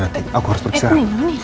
aku harus pergi sekarang